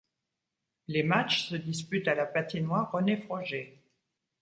Les matchs se disputent à la Patinoire René Froger.